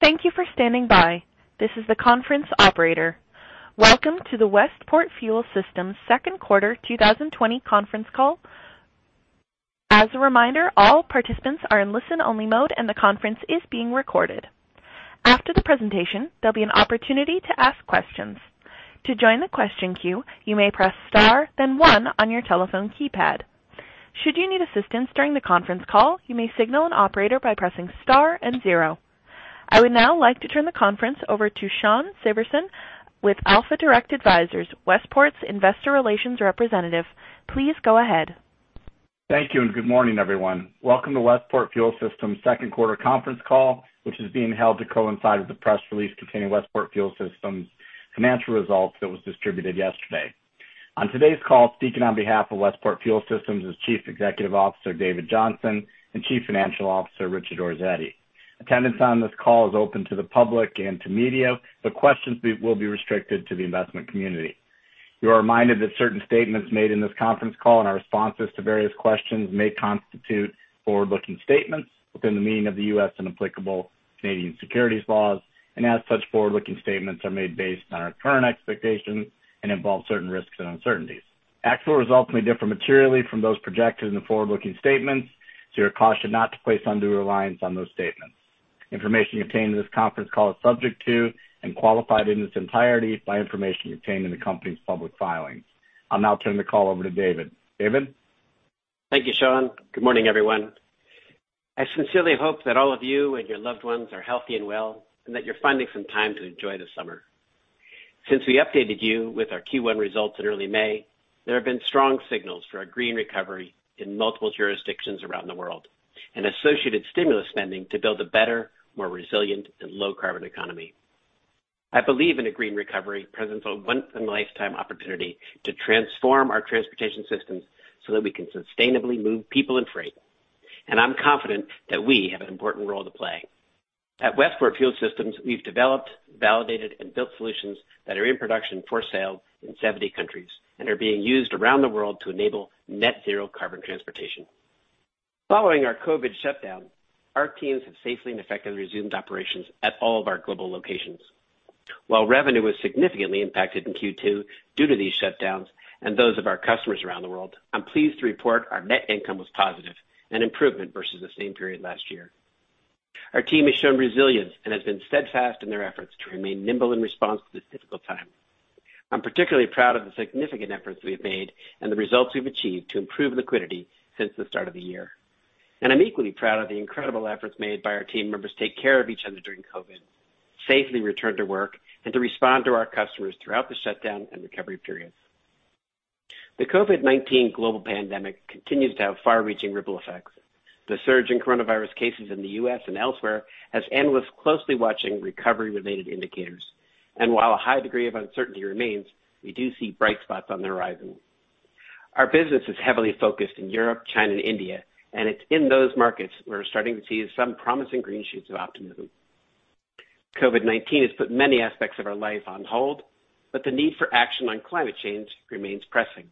Thank you for standing by. This is the conference operator. Welcome to the Westport Fuel Systems second quarter 2020 conference call. As a reminder, all participants are in listen only mode, and the conference is being recorded. After the presentation, there will be an opportunity to ask questions. To join the question queue, you may press star then one on your telephone keypad. Should you need assistance during the conference call, you may signal an operator by pressing star and zero. I would now like to turn the conference over to Shawn Severson with Alpha Direct Advisors, Westport's investor relations representative. Please go ahead. Thank you, and good morning, everyone. Welcome to Westport Fuel Systems second quarter conference call, which is being held to coincide with the press release containing Westport Fuel Systems financial results that was distributed yesterday. On today's call, speaking on behalf of Westport Fuel Systems is Chief Executive Officer David Johnson, and Chief Financial Officer Richard Orazietti. Attendance on this call is open to the public and to media, questions will be restricted to the investment community. You are reminded that certain statements made in this conference call and our responses to various questions may constitute forward-looking statements within the meaning of the U.S. and applicable Canadian securities laws. As such, forward-looking statements are made based on our current expectations and involve certain risks and uncertainties. Actual results may differ materially from those projected in the forward-looking statements. You're cautioned not to place undue reliance on those statements. Information obtained in this conference call is subject to and qualified in its entirety by information obtained in the company's public filings. I'll now turn the call over to David. David? Thank you, Shawn. Good morning, everyone. I sincerely hope that all of you and your loved ones are healthy and well, that you're finding some time to enjoy the summer. Since we updated you with our Q1 results in early May, there have been strong signals for a green recovery in multiple jurisdictions around the world, and associated stimulus spending to build a better, more resilient, and low carbon economy. I believe in a green recovery presents a once in a lifetime opportunity to transform our transportation systems so that we can sustainably move people and freight. I'm confident that we have an important role to play. At Westport Fuel Systems, we've developed, validated, and built solutions that are in production for sale in 70 countries and are being used around the world to enable net zero carbon transportation. Following our COVID shutdown, our teams have safely and effectively resumed operations at all of our global locations. While revenue was significantly impacted in Q2 due to these shutdowns and those of our customers around the world, I'm pleased to report our net income was positive, an improvement versus the same period last year. Our team has shown resilience and has been steadfast in their efforts to remain nimble in response to this difficult time. I'm particularly proud of the significant efforts we have made and the results we've achieved to improve liquidity since the start of the year. I'm equally proud of the incredible efforts made by our team members to take care of each other during COVID, safely return to work, and to respond to our customers throughout the shutdown and recovery periods. The COVID-19 global pandemic continues to have far-reaching ripple effects. The surge in coronavirus cases in the U.S. and elsewhere has analysts closely watching recovery-related indicators. While a high degree of uncertainty remains, we do see bright spots on the horizon. Our business is heavily focused in Europe, China, and India, and it's in those markets we're starting to see some promising green shoots of optimism. COVID-19 has put many aspects of our life on hold, but the need for action on climate change remains pressing.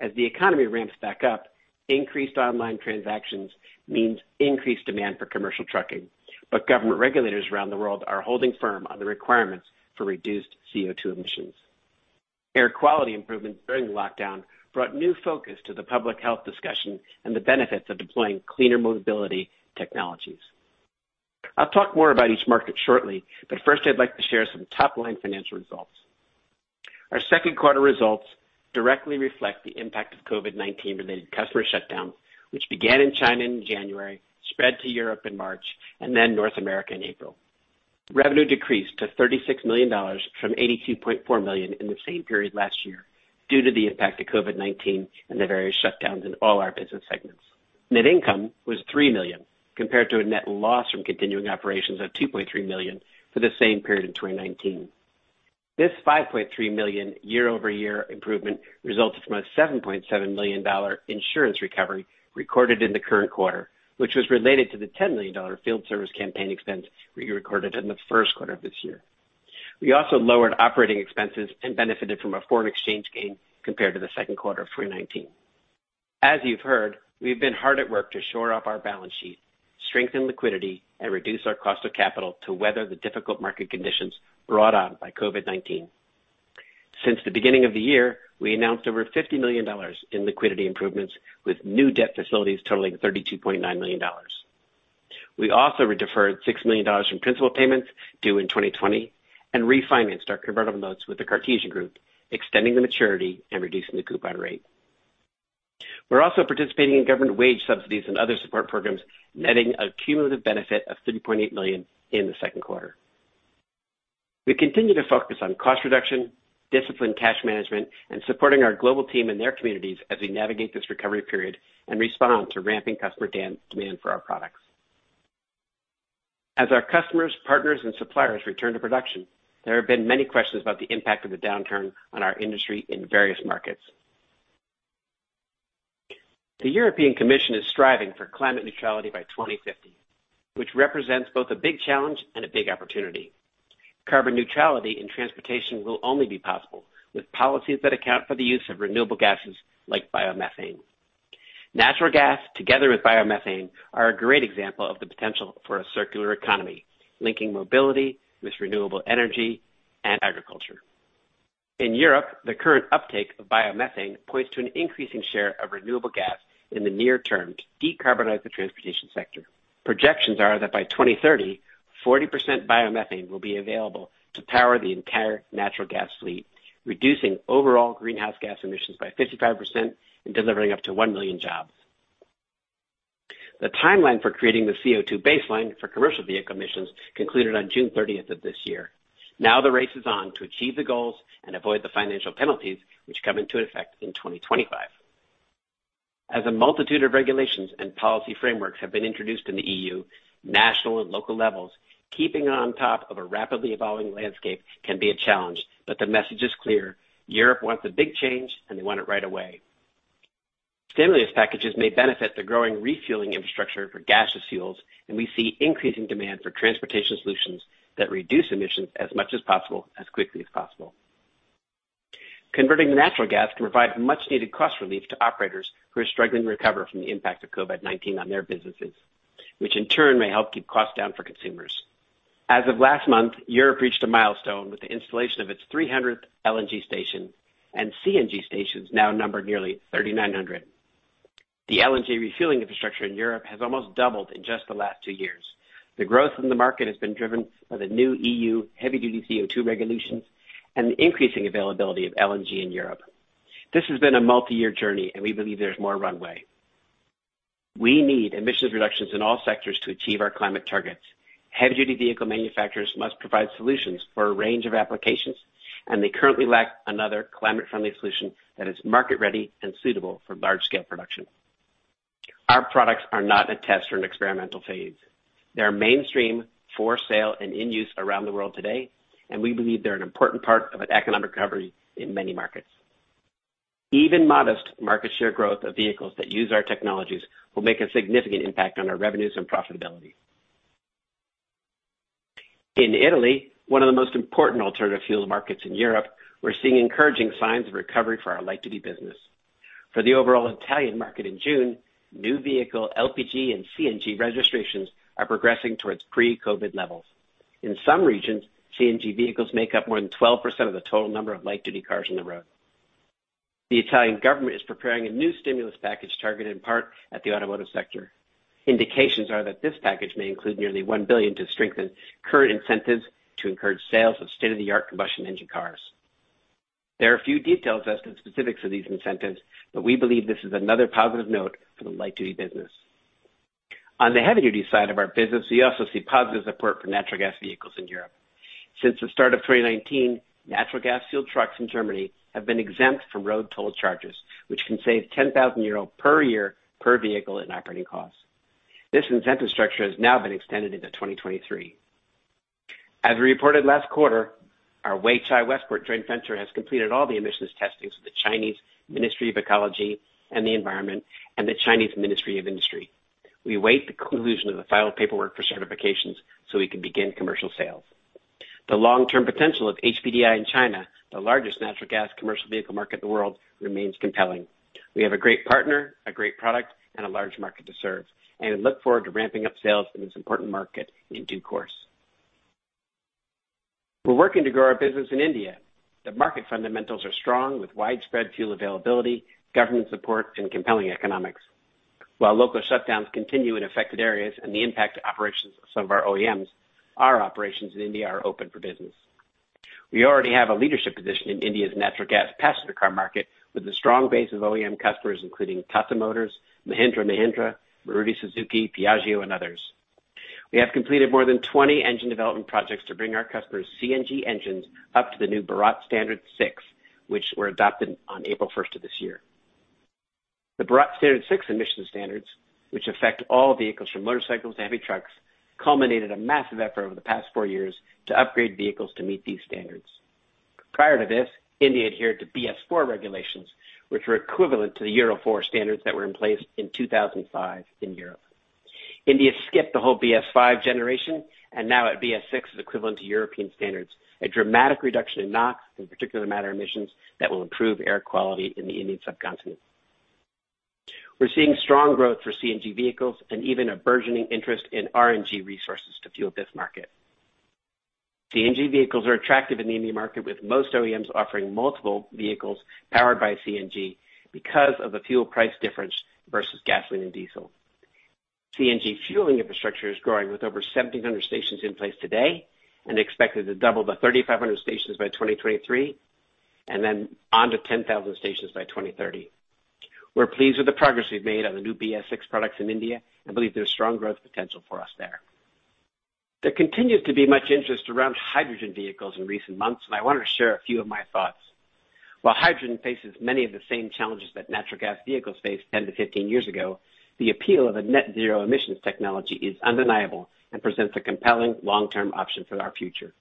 As the economy ramps back up, increased online transactions means increased demand for commercial trucking. Government regulators around the world are holding firm on the requirements for reduced CO2 emissions. Air quality improvements during the lockdown brought new focus to the public health discussion and the benefits of deploying cleaner mobility technologies. I'll talk more about each market shortly, but first, I'd like to share some top-line financial results. Our second quarter results directly reflect the impact of COVID-19 related customer shutdowns, which began in China in January, spread to Europe in March, and then North America in April. Revenue decreased to $36 million from $82.4 million in the same period last year due to the impact of COVID-19 and the various shutdowns in all our business segments. Net income was $3 million compared to a net loss from continuing operations of $2.3 million for the same period in 2019. This $5.3 million year-over-year improvement resulted from a $7.7 million insurance recovery recorded in the current quarter, which was related to the $10 million field service campaign expense we recorded in the first quarter of this year. We also lowered operating expenses and benefited from a foreign exchange gain compared to the second quarter of 2019. As you've heard, we've been hard at work to shore up our balance sheet, strengthen liquidity, and reduce our cost of capital to weather the difficult market conditions brought on by COVID-19. Since the beginning of the year, we announced over $50 million in liquidity improvements with new debt facilities totaling $32.9 million. We also deferred $6 million in principal payments due in 2020 and refinanced our convertible notes with the Cartesian Group, extending the maturity and reducing the coupon rate. We're also participating in government wage subsidies and other support programs, netting a cumulative benefit of $3.8 million in the second quarter. We continue to focus on cost reduction, disciplined cash management, and supporting our global team and their communities as we navigate this recovery period and respond to ramping customer demand for our products. As our customers, partners, and suppliers return to production, there have been many questions about the impact of the downturn on our industry in various markets. The European Commission is striving for climate neutrality by 2050, which represents both a big challenge and a big opportunity. Carbon neutrality in transportation will only be possible with policies that account for the use of renewable gases like biomethane. Natural gas, together with biomethane, are a great example of the potential for a circular economy, linking mobility with renewable energy and agriculture. In Europe, the current uptake of biomethane points to an increasing share of renewable gas in the near term to decarbonize the transportation sector. Projections are that by 2030, 40% biomethane will be available to power the entire natural gas fleet, reducing overall greenhouse gas emissions by 55% and delivering up to one million jobs. The timeline for creating the CO2 baseline for commercial vehicle emissions concluded on June 30th of this year. Now, the race is on to achieve the goals and avoid the financial penalties which come into effect in 2025. A multitude of regulations and policy frameworks have been introduced in the EU, national and local levels, keeping on top of a rapidly evolving landscape can be a challenge. The message is clear: Europe wants a big change, and they want it right away. Stimulus packages may benefit the growing refueling infrastructure for gaseous fuels, and we see increasing demand for transportation solutions that reduce emissions as much as possible, as quickly as possible. Converting to natural gas can provide much-needed cost relief to operators who are struggling to recover from the impact of COVID-19 on their businesses, which in turn may help keep costs down for consumers. As of last month, Europe reached a milestone with the installation of its 300th LNG station, and CNG stations now number nearly 3,900. The LNG refueling infrastructure in Europe has almost doubled in just the last two years. The growth in the market has been driven by the new EU heavy-duty CO2 regulations and the increasing availability of LNG in Europe. This has been a multi-year journey, and we believe there's more runway. We need emissions reductions in all sectors to achieve our climate targets. Heavy-duty vehicle manufacturers must provide solutions for a range of applications, and they currently lack another climate-friendly solution that is market-ready and suitable for large-scale production. Our products are not a test or an experimental phase. They're mainstream, for sale, and in use around the world today, and we believe they're an important part of an economic recovery in many markets. Even modest market share growth of vehicles that use our technologies will make a significant impact on our revenues and profitability. In Italy, one of the most important alternative fuel markets in Europe, we're seeing encouraging signs of recovery for our light-duty business. For the overall Italian market in June, new vehicle LPG and CNG registrations are progressing towards pre-COVID levels. In some regions, CNG vehicles make up more than 12% of the total number of light-duty cars on the road. The Italian government is preparing a new stimulus package targeted in part at the automotive sector. Indications are that this package may include nearly $1 billion to strengthen current incentives to encourage sales of state-of-the-art combustion engine cars. There are few details as to the specifics of these incentives, but we believe this is another positive note for the light-duty business. On the heavy-duty side of our business, we also see positive support for natural gas vehicles in Europe. Since the start of 2019, natural gas fueled trucks in Germany have been exempt from road toll charges, which can save 10,000 euro per year per vehicle in operating costs. This incentive structure has now been extended into 2023. As we reported last quarter, our Weichai Westport joint venture has completed all the emissions testings with the Chinese Ministry of Ecology and Environment and the Chinese Ministry of Industry. We await the conclusion of the final paperwork for certifications so we can begin commercial sales. The long-term potential of HPDI in China, the largest natural gas commercial vehicle market in the world, remains compelling. We have a great partner, a great product, and a large market to serve, and we look forward to ramping up sales in this important market in due course. We're working to grow our business in India. The market fundamentals are strong, with widespread fuel availability, government support, and compelling economics. While local shutdowns continue in affected areas and the impact to operations of some of our OEMs, our operations in India are open for business. We already have a leadership position in India's natural gas passenger car market, with a strong base of OEM customers, including Tata Motors, Mahindra & Mahindra, Maruti Suzuki, Piaggio, and others. We have completed more than 20 engine development projects to bring our customers' CNG engines up to the new Bharat Stage VI, which were adopted on April 1st of this year. The Bharat Stage VI emission standards, which affect all vehicles from motorcycles to heavy trucks, culminated a massive effort over the past four years to upgrade vehicles to meet these standards. Prior to this, India adhered to BS IV regulations, which were equivalent to the Euro 4 standards that were in place in 2005 in Europe. India skipped the whole BS V generation, and now at BS VI is equivalent to European standards, a dramatic reduction in NOx and particulate matter emissions that will improve air quality in the Indian subcontinent. We're seeing strong growth for CNG vehicles and even a burgeoning interest in RNG resources to fuel this market. CNG vehicles are attractive in the Indian market, with most OEMs offering multiple vehicles powered by CNG because of the fuel price difference versus gasoline and diesel. CNG fueling infrastructure is growing, with over 1,700 stations in place today and expected to double to 3,500 stations by 2023, and then on to 10,000 stations by 2030. We're pleased with the progress we've made on the new BS VI products in India and believe there's strong growth potential for us there. There continues to be much interest around hydrogen vehicles in recent months, and I wanted to share a few of my thoughts. While hydrogen faces many of the same challenges that natural gas vehicles faced 10-15 years ago, the appeal of a net zero emissions technology is undeniable and presents a compelling long-term option for our future.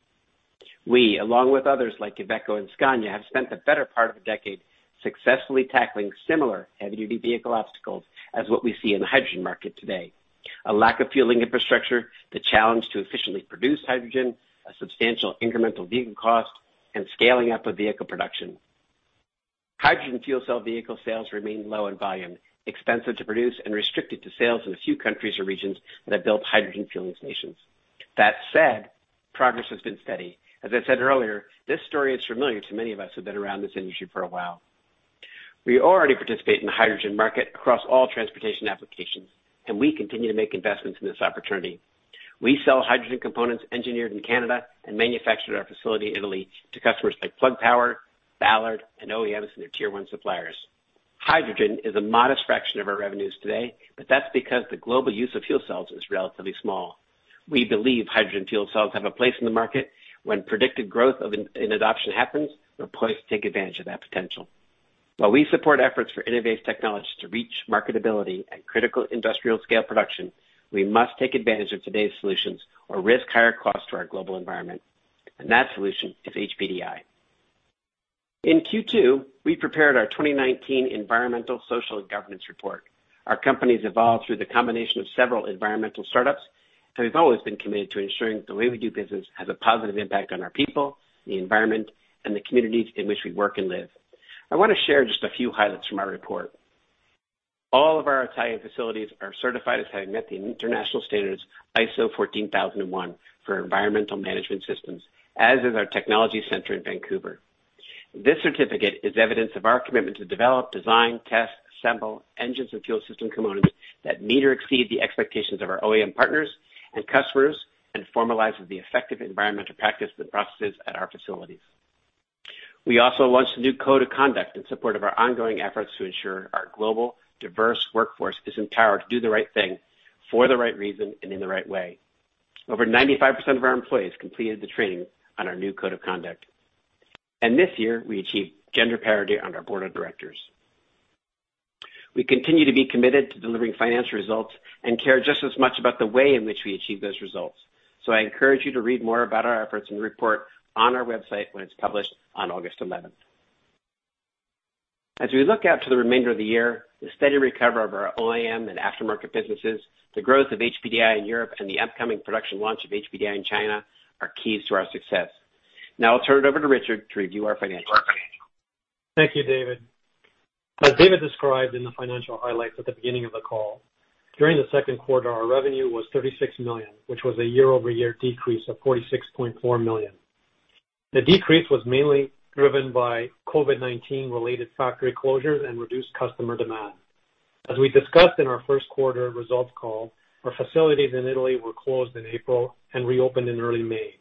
We, along with others like Iveco and Scania, have spent the better part of a decade successfully tackling similar heavy-duty vehicle obstacles as what we see in the hydrogen market today. A lack of fueling infrastructure, the challenge to efficiently produce hydrogen, a substantial incremental vehicle cost, and scaling up of vehicle production. Hydrogen fuel cell vehicle sales remain low in volume, expensive to produce, and restricted to sales in a few countries or regions that build hydrogen fueling stations. That said, progress has been steady. As I said earlier, this story is familiar to many of us who've been around this industry for a while. We already participate in the hydrogen market across all transportation applications, and we continue to make investments in this opportunity. We sell hydrogen components engineered in Canada and manufactured at our facility in Italy to customers like Plug Power, Ballard, and OEMs, and their tier one suppliers. Hydrogen is a modest fraction of our revenues today, but that's because the global use of fuel cells is relatively small. We believe hydrogen fuel cells have a place in the market. When predicted growth in adoption happens, we're poised to take advantage of that potential. While we support efforts for innovative technologies to reach marketability and critical industrial scale production, we must take advantage of today's solutions or risk higher costs to our global environment, and that solution is HPDI. In Q2, we prepared our 2019 environmental social governance report. Our companies evolved through the combination of several environmental startups, we've always been committed to ensuring the way we do business has a positive impact on our people, the environment, and the communities in which we work and live. I want to share just a few highlights from our report. All of our Italian facilities are certified as having met the international standards ISO 14001 for environmental management systems, as is our technology center in Vancouver. This certificate is evidence of our commitment to develop, design, test, assemble engines and fuel system components that meet or exceed the expectations of our OEM partners and customers, formalizes the effective environmental practice and processes at our facilities. We also launched a new code of conduct in support of our ongoing efforts to ensure our global, diverse workforce is empowered to do the right thing for the right reason and in the right way. Over 95% of our employees completed the training on our new code of conduct. This year, we achieved gender parity on our board of directors. We continue to be committed to delivering financial results and care just as much about the way in which we achieve those results. I encourage you to read more about our efforts and the report on our website when it's published on August 11th. As we look out to the remainder of the year, the steady recovery of our OEM and aftermarket businesses, the growth of HPDI in Europe, and the upcoming production launch of HPDI in China are keys to our success. Now I'll turn it over to Richard to review our financial expansion. Thank you, David. As David described in the financial highlights at the beginning of the call, during the second quarter, our revenue was $36 million, which was a year-over-year decrease of $46.4 million. The decrease was mainly driven by COVID-19 related factory closures and reduced customer demand. As we discussed in our first quarter results call, our facilities in Italy were closed in April and reopened in early May.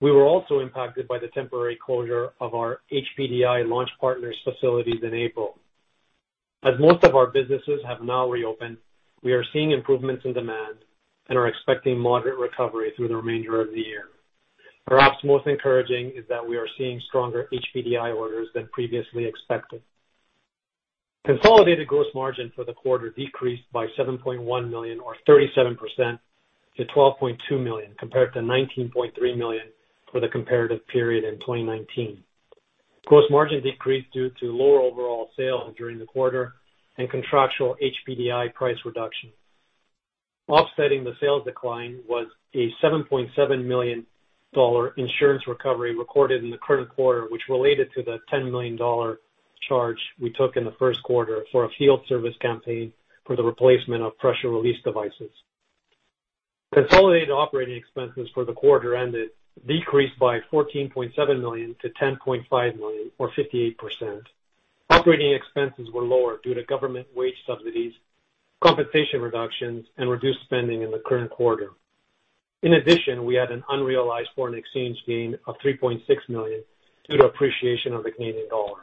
We were also impacted by the temporary closure of our HPDI launch partners facilities in April. As most of our businesses have now reopened, we are seeing improvements in demand and are expecting moderate recovery through the remainder of the year. Perhaps most encouraging is that we are seeing stronger HPDI orders than previously expected. Consolidated gross margin for the quarter decreased by $7.1 million or 37% to $12.2 million, compared to $19.3 million for the comparative period in 2019. Gross margin decreased due to lower overall sales during the quarter and contractual HPDI price reduction. Offsetting the sales decline was a $7.7 million insurance recovery recorded in the current quarter, which related to the $10 million charge we took in the first quarter for a field service campaign for the replacement of pressure release devices. Consolidated operating expenses for the quarter ended decreased by $14.7 million to $10.5 million or 58%. Operating expenses were lower due to government wage subsidies, compensation reductions, and reduced spending in the current quarter. In addition, we had an unrealized foreign exchange gain of $3.6 million due to appreciation of the Canadian dollar.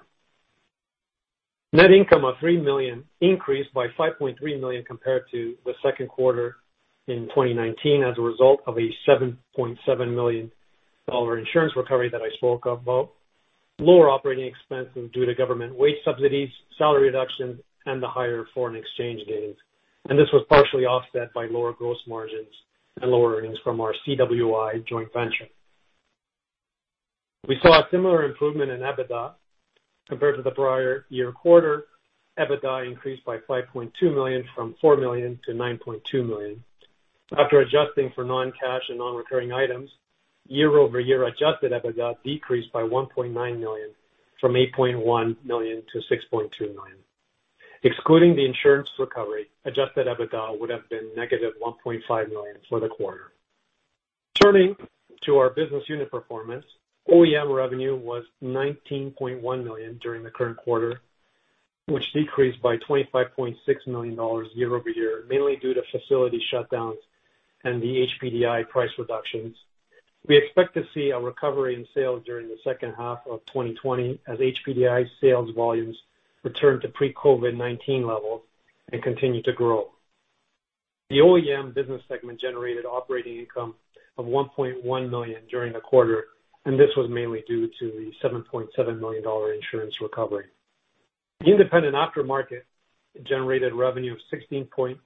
Net income of $3 million increased by $5.3 million compared to the second quarter in 2019 as a result of a $7.7 million insurance recovery that I spoke about, lower operating expenses due to government wage subsidies, salary reduction, and the higher foreign exchange gains. This was partially offset by lower gross margins and lower earnings from our CWI joint venture. We saw a similar improvement in EBITDA. Compared to the prior year quarter, EBITDA increased by $5.2 million from $4 million to $9.2 million. After adjusting for non-cash and non-recurring items, year-over-year adjusted EBITDA decreased by $1.9 million from $8.1 million to $6.2 million. Excluding the insurance recovery, adjusted EBITDA would have been negative $1.5 million for the quarter. Turning to our business unit performance, OEM revenue was $19.1 million during the current quarter, which decreased by $25.6 million year-over-year, mainly due to facility shutdowns and the HPDI price reductions. We expect to see a recovery in sales during the second half of 2020 as HPDI sales volumes return to pre-COVID-19 levels and continue to grow. The OEM business segment generated operating income of $1.1 million during the quarter, This was mainly due to the $7.7 million insurance recovery. Independent aftermarket generated revenue of $16.9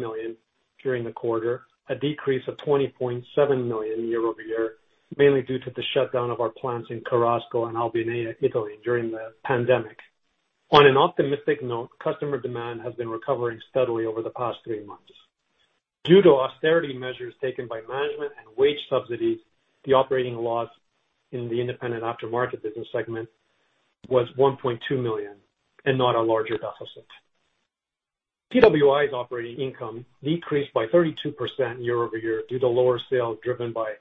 million during the quarter, a decrease of $20.7 million year-over-year, mainly due to the shutdown of our plants in Cherasco and Albinea, Italy during the pandemic. On an optimistic note, customer demand has been recovering steadily over the past three months. Due to austerity measures taken by management and wage subsidies, the operating loss in the independent aftermarket business segment was $1.2 million and not a larger deficit. CWI's operating income decreased by 32% year-over-year due to lower sales driven by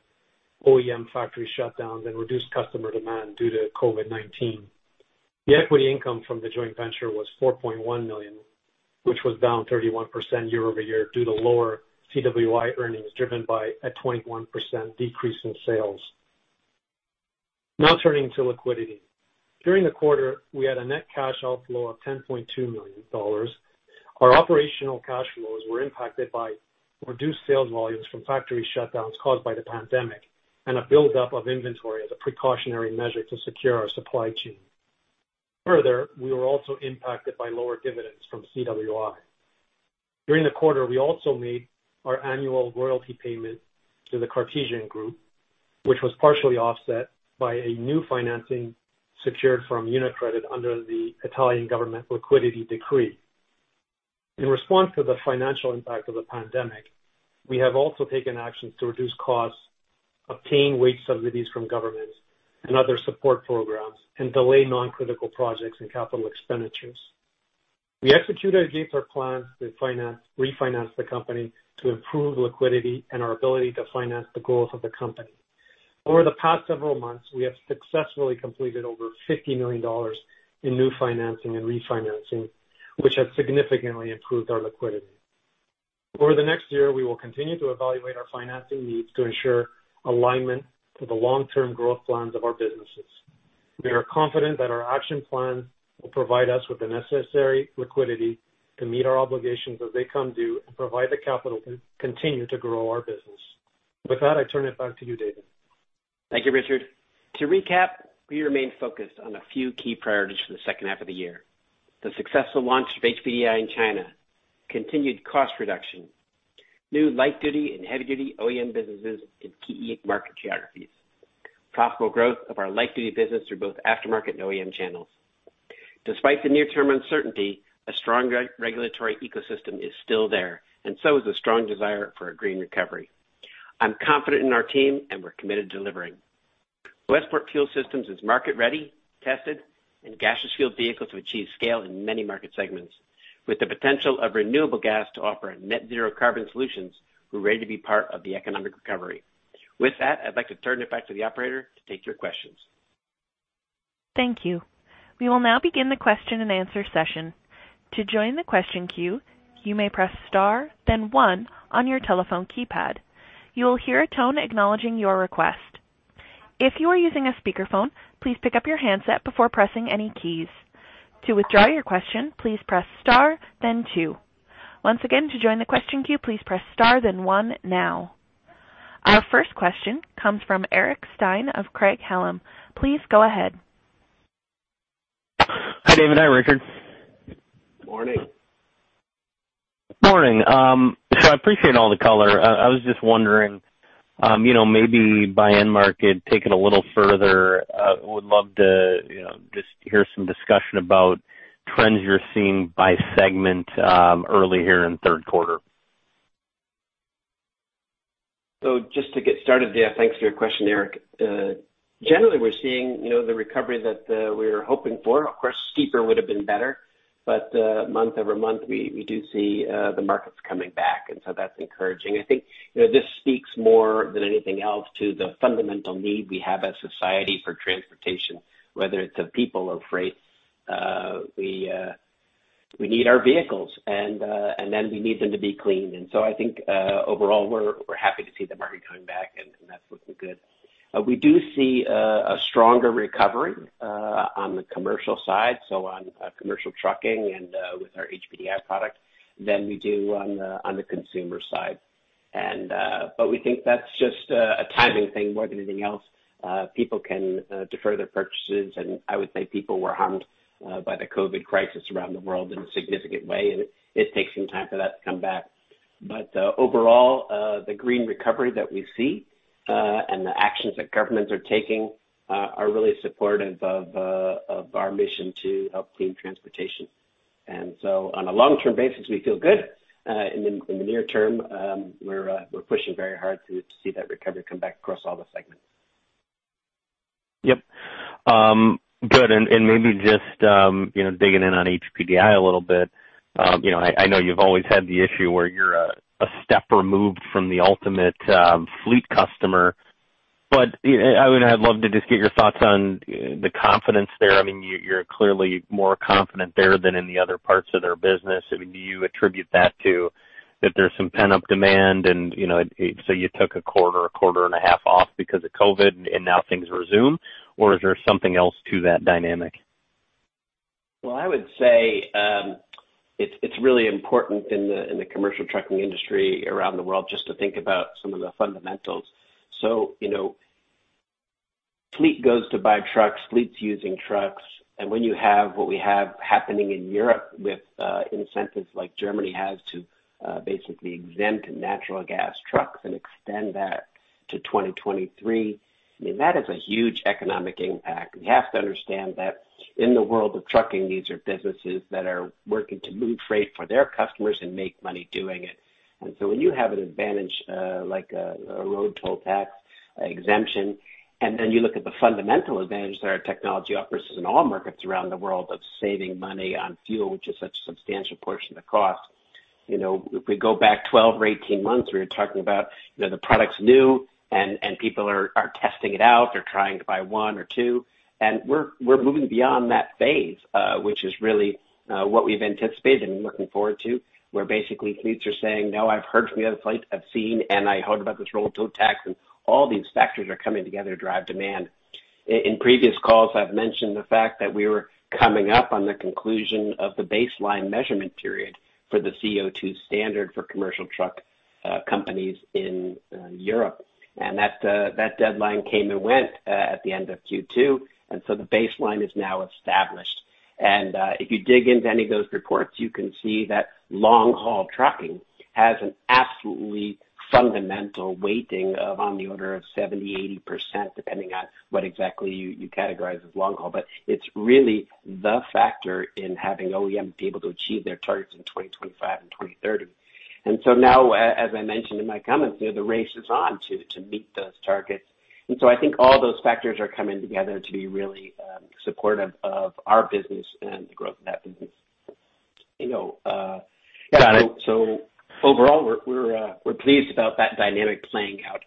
OEM factory shutdowns and reduced customer demand due to COVID-19. The equity income from the joint venture was $4.1 million, which was down 31% year-over-year due to lower CWI earnings driven by a 21% decrease in sales. Turning to liquidity. During the quarter, we had a net cash outflow of $10.2 million. Our operational cash flows were impacted by reduced sales volumes from factory shutdowns caused by the pandemic, and a buildup of inventory as a precautionary measure to secure our supply chain. We were also impacted by lower dividends from CWI. During the quarter, we also made our annual royalty payment to the Cartesian Group, which was partially offset by a new financing secured from UniCredit under the Italian Government Liquidity Decree. In response to the financial impact of the pandemic, we have also taken actions to reduce costs, obtain wage subsidies from governments and other support programs, and delay non-critical projects and capital expenditures. We executed against our plans to refinance the company to improve liquidity and our ability to finance the goals of the company. Over the past several months, we have successfully completed over $50 million in new financing and refinancing, which has significantly improved our liquidity. Over the next year, we will continue to evaluate our financing needs to ensure alignment to the long-term growth plans of our businesses. We are confident that our action plan will provide us with the necessary liquidity to meet our obligations as they come due and provide the capital to continue to grow our business. With that, I turn it back to you, David. Thank you, Richard. To recap, we remain focused on a few key priorities for the second half of the year. The successful launch of HPDI in China, continued cost reduction, new light-duty and heavy-duty OEM businesses in key market geographies, profitable growth of our light-duty business through both aftermarket and OEM channels. Despite the near-term uncertainty, a strong regulatory ecosystem is still there, and so is a strong desire for a green recovery. I'm confident in our team, and we're committed to delivering. Westport Fuel Systems is market-ready, tested, and gaseous-fueled vehicles have achieved scale in many market segments. With the potential of renewable gas to offer net zero carbon solutions, we're ready to be part of the economic recovery. With that, I'd like to turn it back to the operator to take your questions. Thank you. We will now begin the question and answer session. To join the question queue, you may press star then one on your telephone keypad. You will hear a tone acknowledging your request. If you are using a speakerphone, please pick up your handset before pressing any keys. To withdraw your question, please press star then two. Once again, to join the question queue, please press star then one now. Our first question comes from Eric Stine of Craig-Hallum. Please go ahead. Hi, David. Hi, Richard. Morning. Morning. I appreciate all the color. I was just wondering, maybe by end market, take it a little further. Would love to just hear some discussion about trends you're seeing by segment early here in the third quarter. Just to get started, thanks for your question, Eric. Generally, we're seeing the recovery that we were hoping for. Of course, steeper would have been better, but month-over-month, we do see the markets coming back, and so that's encouraging. I think this speaks more than anything else to the fundamental need we have as society for transportation, whether it's of people or freight. We need our vehicles, and then we need them to be clean. I think, overall, we're happy to see the market coming back, and that's looking good. We do see a stronger recovery on the commercial side, so on commercial trucking and with our HPDI product, than we do on the consumer side. We think that's just a timing thing more than anything else. People can defer their purchases, and I would say people were harmed by the COVID crisis around the world in a significant way, and it takes some time for that to come back. Overall, the green recovery that we see, and the actions that governments are taking, are really supportive of our mission to help clean transportation. On a long-term basis, we feel good. In the near term, we're pushing very hard to see that recovery come back across all the segments. Yep, good. Maybe just digging in on HPDI a little bit. I know you've always had the issue where you're a step removed from the ultimate fleet customer, but I would love to just get your thoughts on the confidence there. You're clearly more confident there than in the other parts of their business. Do you attribute that to that there's some pent-up demand, and so you took a quarter and a half off because of COVID, and now things resume? Or is there something else to that dynamic? Well, I would say, it's really important in the commercial trucking industry around the world just to think about some of the fundamentals. Fleet goes to buy trucks, fleet's using trucks, and when you have what we have happening in Europe with incentives like Germany has to basically exempt natural gas trucks and extend that to 2023. That is a huge economic impact. You have to understand that in the world of trucking, these are businesses that are working to move freight for their customers and make money doing it. When you have an advantage like a road toll tax exemption, and then you look at the fundamental advantages that our technology offers in all markets around the world of saving money on fuel, which is such a substantial portion of the cost. If we go back 12 or 18 months, we were talking about the product's new and people are testing it out. They're trying to buy one or two. We're moving beyond that phase, which is really what we've anticipated and looking forward to, where basically fleets are saying, "No, I've heard from the other fleets, I've seen, and I heard about this road toll tax," and all these factors are coming together to drive demand. In previous calls, I've mentioned the fact that we were coming up on the conclusion of the baseline measurement period for the CO2 standard for commercial truck companies in Europe. That deadline came and went at the end of Q2, and so the baseline is now established. If you dig into any of those reports, you can see that long-haul trucking has an absolutely fundamental weighting of on the order of 70%-80%, depending on what exactly you categorize as long haul. It's really the factor in having OEMs be able to achieve their targets in 2025 and 2030. Now, as I mentioned in my comments, the race is on to meet those targets. I think all those factors are coming together to be really supportive of our business and the growth of that business. Got it. Overall, we're pleased about that dynamic playing out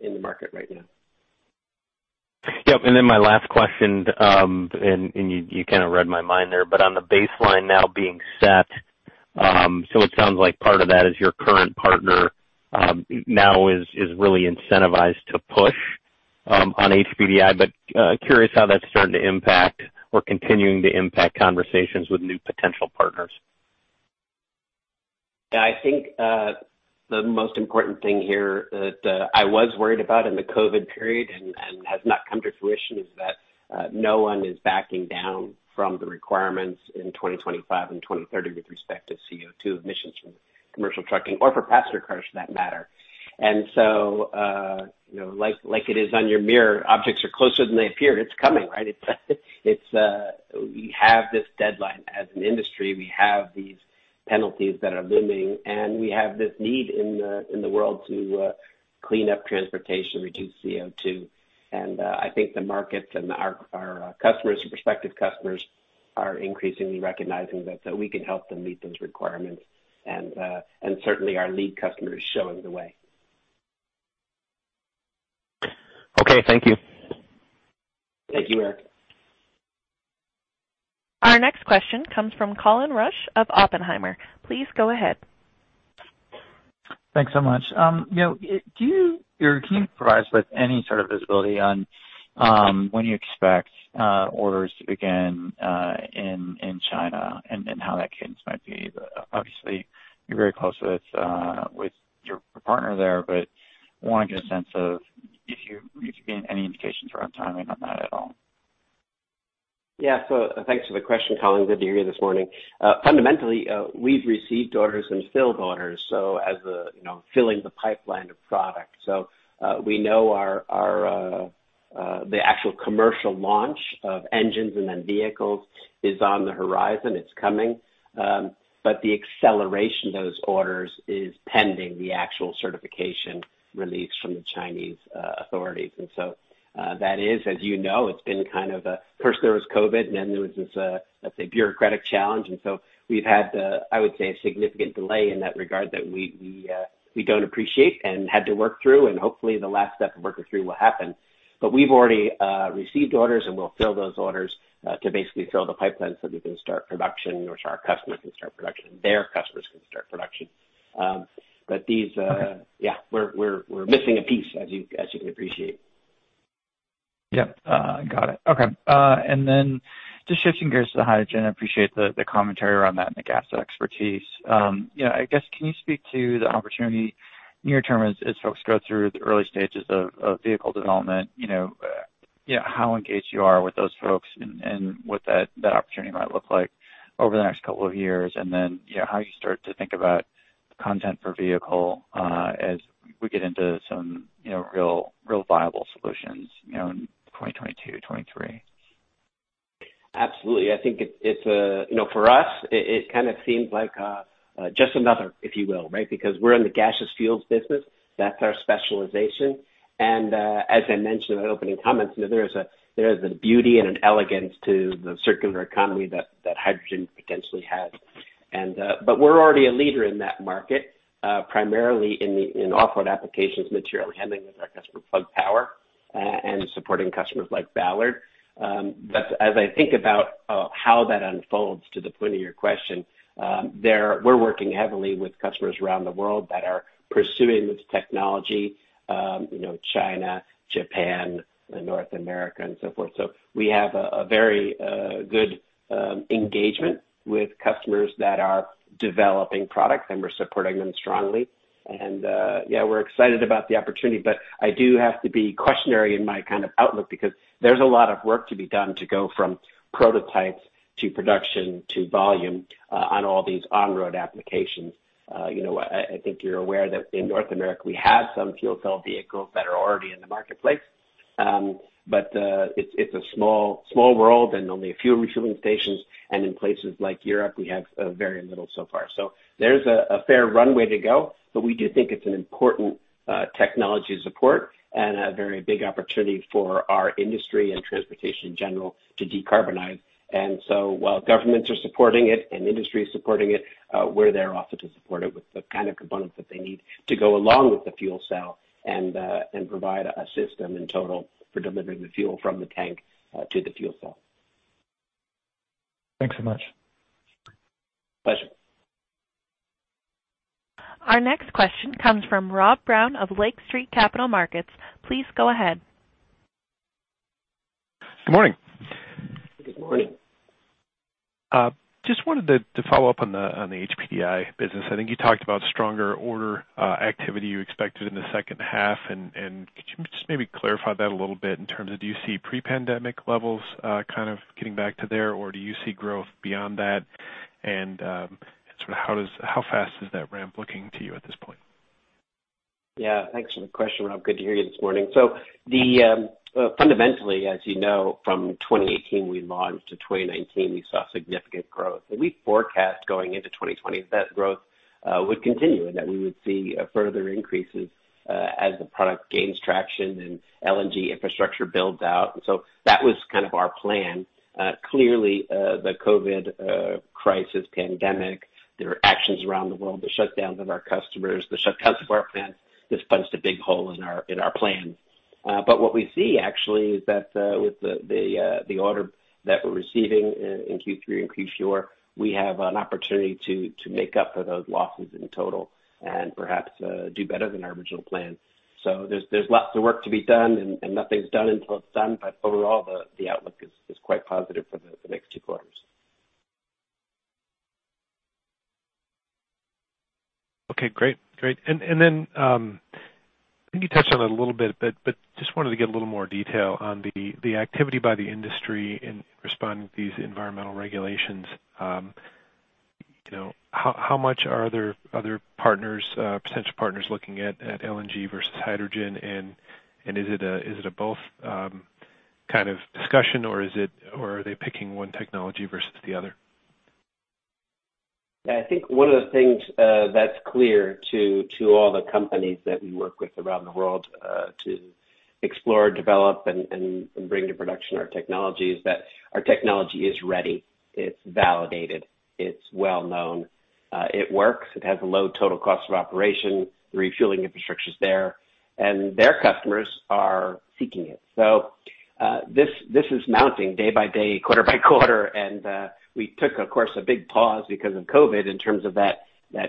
in the market right now. Yep. My last question, you kind of read my mind there, on the baseline now being set, it sounds like part of that is your current partner now is really incentivized to push on HPDI, curious how that's starting to impact or continuing to impact conversations with new potential partners. I think the most important thing here that I was worried about in the COVID period and has not come to fruition is that no one is backing down from the requirements in 2025 and 2030 with respect to CO2 emissions from commercial trucking or for passenger cars for that matter. Like it is on your mirror, objects are closer than they appear. It's coming, right? We have this deadline as an industry. We have these penalties that are looming, and we have this need in the world to clean up transportation, reduce CO2. I think the markets and our customers or prospective customers are increasingly recognizing that we can help them meet those requirements. Certainly our lead customer is showing the way. Okay. Thank you. Thank you, Eric. Our next question comes from Colin Rusch of Oppenheimer. Please go ahead. Thanks so much. Can you provide us with any sort of visibility on when you expect orders to begin in China and how that cadence might be? You're very close with your partner there, but want to get a sense of if you can give any indication for our timing on that at all. Yeah. Thanks for the question, Colin. Good to hear you this morning. Fundamentally, we've received orders and filled orders, so as filling the pipeline of product. We know the actual commercial launch of engines and then vehicles is on the horizon. It's coming. The acceleration of those orders is pending the actual certification release from the Chinese authorities. That is, as you know, it's been kind of first there was COVID, and then there was this, let's say, bureaucratic challenge. We've had, I would say, a significant delay in that regard that we don't appreciate and had to work through, and hopefully the last step of working through will happen. We've already received orders, and we'll fill those orders to basically fill the pipeline so we can start production, or so our customers can start production, and their customers can start production. Yeah. We're missing a piece, as you can appreciate. Yep, got it. Okay. Just shifting gears to the hydrogen. I appreciate the commentary around that and the gas expertise. I guess, can you speak to the opportunity near-term as folks go through the early stages of vehicle development, how engaged you are with those folks and what that opportunity might look like over the next couple of years? How you start to think about content for vehicle as we get into some real viable solutions in 2022-2023? Absolutely. I think for us, it kind of seems like just another, if you will, right? Because we're in the gaseous fuels business. That's our specialization. As I mentioned in my opening comments, there is a beauty and an elegance to the circular economy that hydrogen potentially has. We're already a leader in that market, primarily in off-road applications, material handling with our customer Plug Power, and supporting customers like Ballard. As I think about how that unfolds to the point of your question, we're working heavily with customers around the world that are pursuing this technology. China, Japan, North America, and so forth. We have a very good engagement with customers that are developing products, and we're supporting them strongly. Yeah, we're excited about the opportunity, but I do have to be cautionary in my kind of outlook because there's a lot of work to be done to go from prototypes to production to volume on all these on-road applications. I think you're aware that in North America, we have some fuel cell vehicles that are already in the marketplace. It's a small world and only a few refueling stations, and in places like Europe, we have very little so far. There's a fair runway to go. We do think it's an important technology support and a very big opportunity for our industry and transportation, in general, to decarbonize. While governments are supporting it and industry is supporting it, we're there also to support it with the kind of components that they need to go along with the fuel cell and provide a system in total for delivering the fuel from the tank to the fuel cell. Thanks so much. Pleasure. Our next question comes from Rob Brown of Lake Street Capital Markets. Please go ahead. Good morning. Good morning. Just wanted to follow up on the HPDI business. I think you talked about stronger order activity you expected in the second half, and could you just maybe clarify that a little bit in terms of, do you see pre-pandemic levels kind of getting back to there, or do you see growth beyond that? Sort of how fast is that ramp looking to you at this point? Yeah, thanks for the question, Rob. Good to hear you this morning. Fundamentally, as you know, from 2018 we launched, to 2019, we saw significant growth. We forecast going into 2020 that growth would continue and that we would see further increases as the product gains traction and LNG infrastructure builds out. That was kind of our plan. Clearly, the COVID crisis pandemic, there were actions around the world, the shutdowns of our customers, the shutdowns of our plants, this punched a big hole in our plan. What we see actually is that with the order that we're receiving in Q3 and Q4, we have an opportunity to make up for those losses in total and perhaps do better than our original plan. There's lots of work to be done, and nothing's done until it's done. Overall, the outlook is quite positive for the next two quarters. Okay, great. I think you touched on it a little bit, but just wanted to get a little more detail on the activity by the industry in responding to these environmental regulations. How much are other potential partners looking at LNG versus hydrogen, and is it a both kind of discussion, or are they picking one technology versus the other? I think one of the things that's clear to all the companies that we work with around the world to explore, develop, and bring to production our technology, is that our technology is ready, it's validated, it's well-known. It works, it has a low total cost of operation. The refueling infrastructure's there, and their customers are seeking it. This is mounting day by day, quarter by quarter, and we took, of course, a big pause because of COVID in terms of that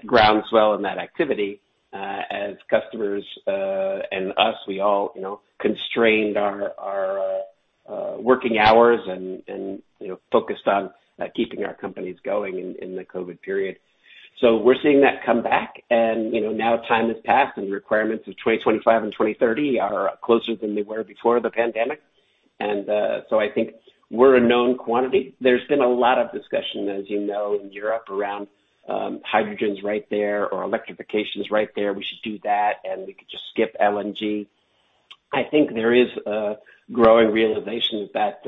groundswell and that activity as customers and us, we all constrained our working hours and focused on keeping our companies going in the COVID period. We're seeing that come back and now time has passed and the requirements of 2025 and 2030 are closer than they were before the pandemic. I think we're a known quantity. There's been a lot of discussion, as you know, in Europe around hydrogen's right there or electrification is right there. We should do that. We could just skip LNG. I think there is a growing realization that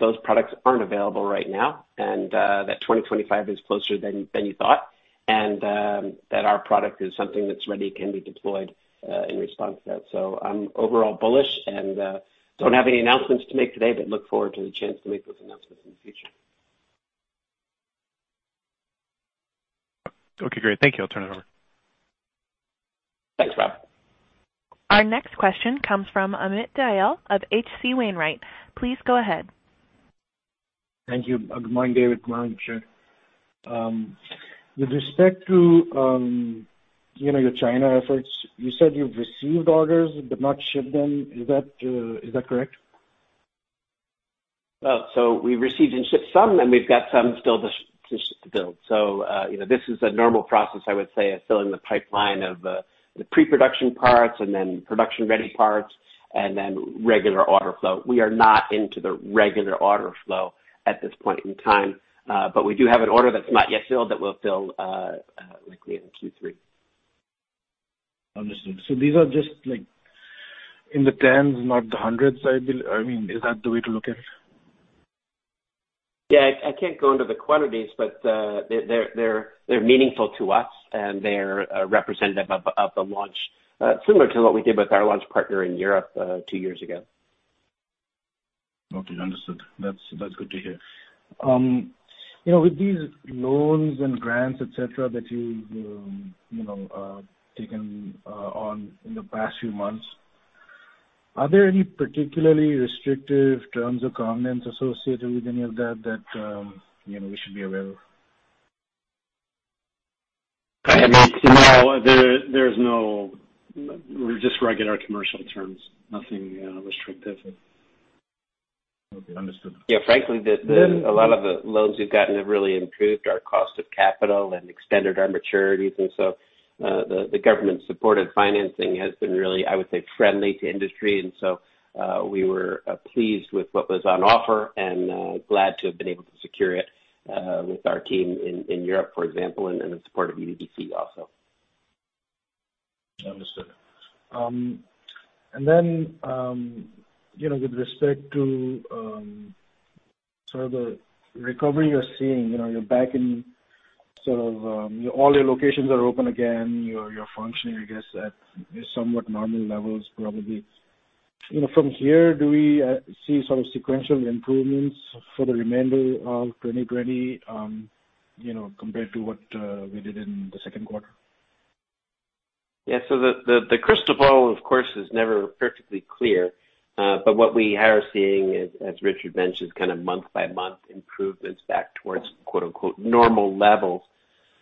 those products aren't available right now, and that 2025 is closer than you thought, and that our product is something that's ready, can be deployed in response to that. I'm overall bullish and don't have any announcements to make today, but look forward to the chance to make those announcements in the future. Okay, great. Thank you, I'll turn it over. Thanks, Rob. Our next question comes from Amit Dayal of H.C. Wainwright. Please go ahead. Thank you, good morning, David, good morning, Richard. With respect to your China efforts, you said you've received orders but not shipped them. Is that correct? We've received and shipped some, and we've got some still to ship, to build. This is a normal process, I would say, of filling the pipeline of the pre-production parts and then production-ready parts and then regular order flow. We are not into the regular order flow at this point in time. We do have an order that's not yet filled that we'll fill likely in Q3. Understood. These are just like in the tens, not the hundreds, I believe. I mean, is that the way to look at it? Yeah, I can't go into the quantities, but they're meaningful to us, and they're representative of the launch, similar to what we did with our launch partner in Europe two years ago. Okay, understood. That's good to hear. With these loans and grants, et cetera, that you've taken on in the past few months, are there any particularly restrictive terms or covenants associated with any of that that we should be aware of? I mean, no. Just regular commercial terms. Nothing restrictive. Okay. Understood. Yeah. Frankly, a lot of the loans we've gotten have really improved our cost of capital and extended our maturities. The government-supported financing has been really, I would say, friendly to industry. We were pleased with what was on offer and glad to have been able to secure it with our team in Europe, for example, and the support of UDDC also. Understood. With respect to the recovery you're seeing, you're back and all your locations are open again. You're functioning, I guess, at somewhat normal levels, probably. From here, do we see sequential improvements for the remainder of 2020 compared to what we did in the second quarter? Yeah. The crystal ball, of course, is never perfectly clear. What we are seeing is, as Richard mentioned, kind of month-by-month improvements back towards "normal levels."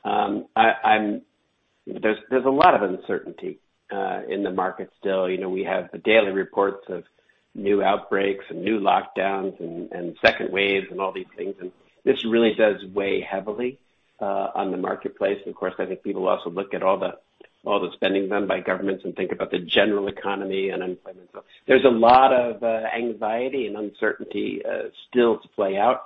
There's a lot of uncertainty in the market still. We have the daily reports of new outbreaks and new lockdowns and second waves and all these things, and this really does weigh heavily on the marketplace. Of course, I think people also look at all the spending done by governments and think about the general economy and unemployment. There's a lot of anxiety and uncertainty still to play out.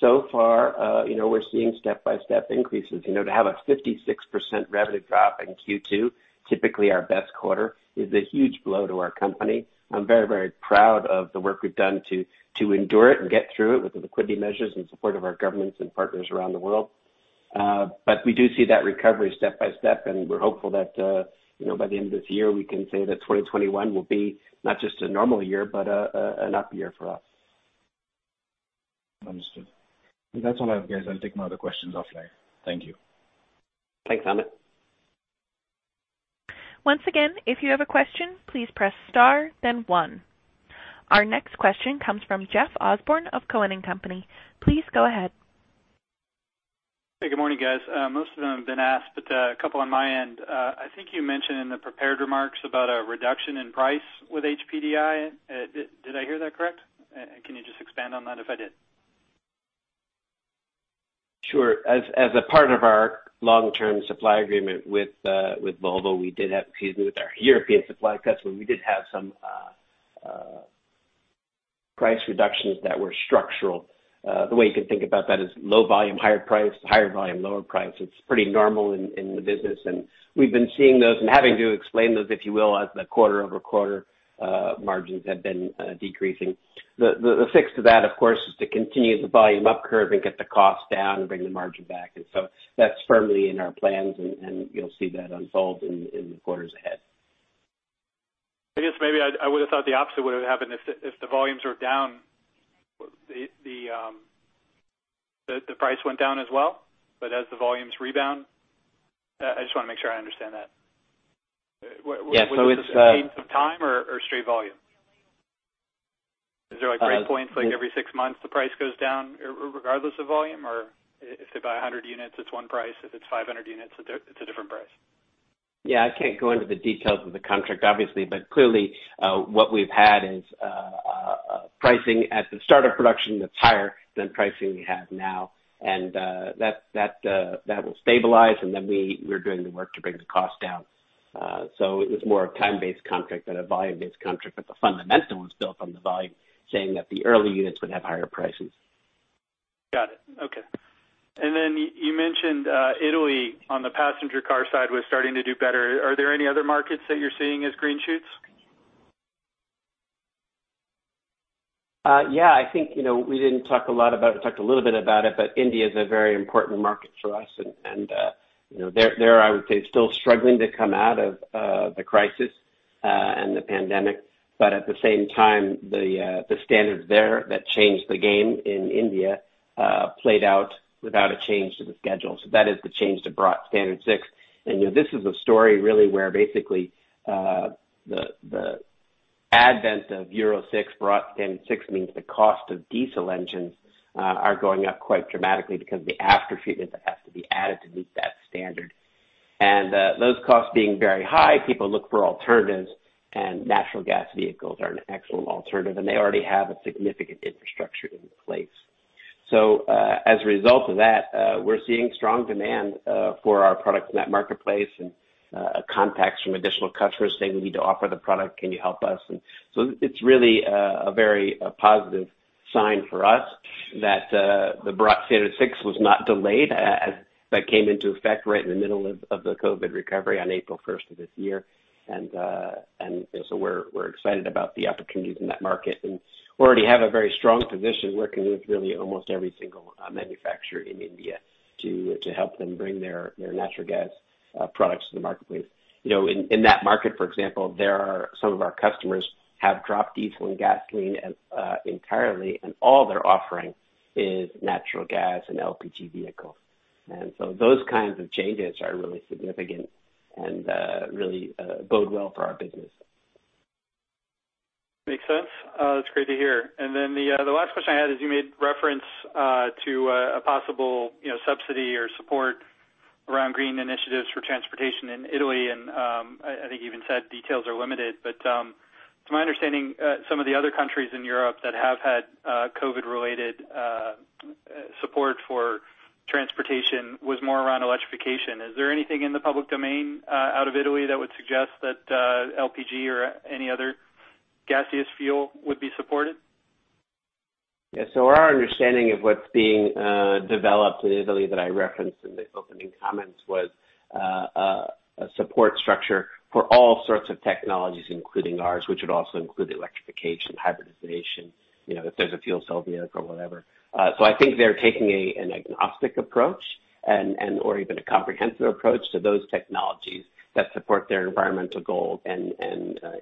So far, we're seeing step-by-step increases. To have a 56% revenue drop in Q2, typically our best quarter, is a huge blow to our company. I'm very proud of the work we've done to endure it and get through it with the liquidity measures and support of our governments and partners around the world. We do see that recovery step by step, and we're hopeful that by the end of this year, we can say that 2021 will be not just a normal year, but an up year for us. Understood. That's all I have, guys. I'll take my other questions offline. Thank you. Thanks, Amit. Once again, if you have a question, please press star then one. Our next question comes from Jeff Osborne of Cowen and Company. Please go ahead. Hey, good morning, guys. Most of them have been asked, a couple on my end. I think you mentioned in the prepared remarks about a reduction in price with HPDI. Did I hear that correct? Can you just expand on that if I did? Sure. As a part of our long-term supply agreement with Volvo, we did have, with our European supply customer, we did have some price reductions that were structural. The way you can think about that is low volume, higher price, higher volume, lower price. It's pretty normal in the business, and we've been seeing those and having to explain those, if you will, as the quarter-over-quarter margins have been decreasing. The fix to that, of course, is to continue the volume up curve and get the cost down and bring the margin back. That's firmly in our plans, and you'll see that unfold in the quarters ahead. I guess maybe I would've thought the opposite would've happened if the volumes were down, the price went down as well. As the volumes rebound, I just want to make sure I understand that. Yeah, so it's- Was it a change of time or straight volume? Is there like price points, like every six months, the price goes down regardless of volume? If they buy 100 units, it's one price, if it's 500 units, it's a different price. Yeah, I can't go into the details of the contract, obviously, but clearly, what we've had is pricing at the start of production that's higher than pricing we have now. That will stabilize, and then we're doing the work to bring the cost down. It was more a time-based contract than a volume-based contract, but the fundamental was built on the volume, saying that the early units would have higher prices. Got it, okay. Then you mentioned Italy on the passenger car side was starting to do better. Are there any other markets that you're seeing as green shoots? Yeah, I think we didn't talk a lot about it. We talked a little bit about it, India's a very important market for us and they're, I would say, still struggling to come out of the crisis and the pandemic. At the same time, the standards there that changed the game in India played out without a change to the schedule, so that is the change to Bharat Stage VI. This is a story really where basically, the advent of Euro 6, Bharat Stage VI means the cost of diesel engines are going up quite dramatically because the aftertreatment that has to be added to meet that standard. Those costs being very high, people look for alternatives, and natural gas vehicles are an excellent alternative, and they already have a significant infrastructure in place. As a result of that, we're seeing strong demand for our products in that marketplace and contacts from additional customers saying, "We need to offer the product. Can you help us?" It's really a very positive sign for us that the Bharat Stage VI was not delayed as that came into effect right in the middle of the COVID-19 recovery on April 1st of this year. We're excited about the opportunities in that market, and we already have a very strong position working with really almost every single manufacturer in India to help them bring their natural gas products to the marketplace. In that market, for example, some of our customers have dropped diesel and gasoline entirely, and all they're offering is natural gas and LPG vehicles. Those kinds of changes are really significant and really bode well for our business. Makes sense, that's great to hear. The last question I had is you made reference to a possible subsidy or support around green initiatives for transportation in Italy, and I think you even said details are limited, but to my understanding, some of the other countries in Europe that have had COVID-related support for transportation was more around electrification. Is there anything in the public domain out of Italy that would suggest that LPG or any other gaseous fuel would be supported? Yeah. Our understanding of what's being developed in Italy that I referenced in the opening comments was a support structure for all sorts of technologies, including ours, which would also include electrification, hybridization, if there's a fuel cell vehicle, whatever. I think they're taking an agnostic approach or even a comprehensive approach to those technologies that support their environmental goals and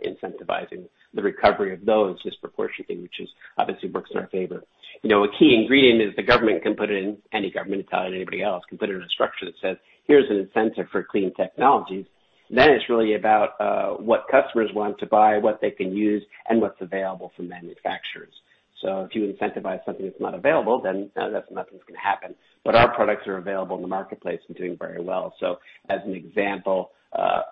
incentivizing the recovery of those disproportionately, which obviously works in our favor. A key ingredient is the government can put in, any government, it's not anybody else, can put in a structure that says, "Here's an incentive for clean technologies." It's really about what customers want to buy, what they can use, and what's available from manufacturers. If you incentivize something that's not available, then nothing's going to happen. Our products are available in the marketplace and doing very well. As an example,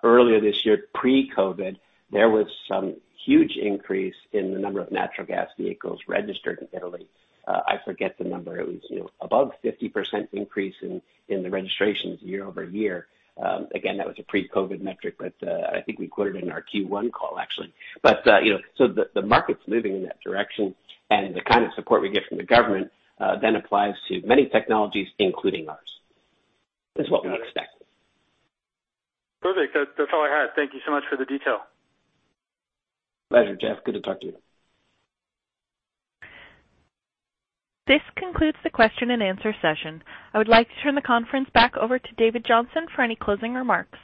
earlier this year, pre-COVID-19, there was some huge increase in the number of natural gas vehicles registered in Italy. I forget the number. It was above 50% increase in the registrations year-over-year. Again, that was a pre-COVID-19 metric, but I think we quoted it in our Q1 call actually. The market's moving in that direction, and the kind of support we get from the government then applies to many technologies, including ours, is what we expect. Perfect, that's all I had. Thank you so much for the detail. Pleasure, Jeff. Good to talk to you. This concludes the question and answer session. I would like to turn the conference back over to David Johnson for any closing remarks.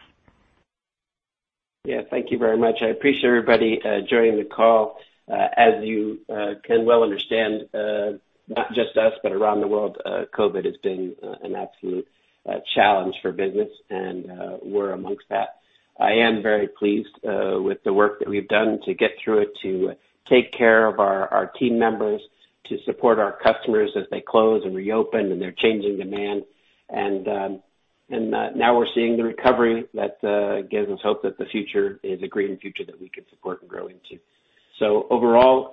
Yeah. Thank you very much. I appreciate everybody joining the call. As you can well understand, not just us, but around the world, COVID has been an absolute challenge for business. We're amongst that. I am very pleased with the work that we've done to get through it, to take care of our team members, to support our customers as they close and reopen and their changing demand. Now we're seeing the recovery that gives us hope that the future is a green future that we can support and grow into. Overall,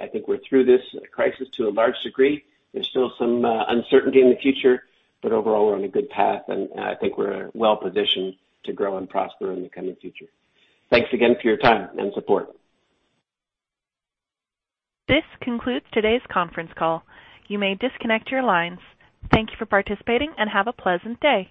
I think we're through this crisis to a large degree. There's still some uncertainty in the future. Overall, we're on a good path, and I think we're well-positioned to grow and prosper in the coming future. Thanks again for your time and support. This concludes today's conference call. You may disconnect your lines. Thank you for participating and have a pleasant day.